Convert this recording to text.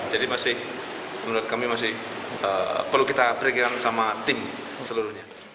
jadi menurut kami masih perlu kita berikan sama tim seluruhnya